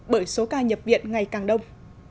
đợi số ca nhập viện ngày càng đông